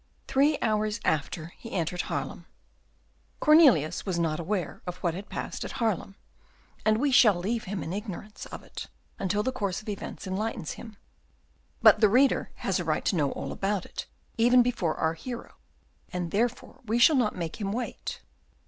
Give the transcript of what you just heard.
Three hours after, he entered Haarlem. Cornelius was not aware of what had passed at Haarlem, and we shall leave him in ignorance of it until the course of events enlightens him. But the reader has a right to know all about it even before our hero, and therefore we shall not make him wait.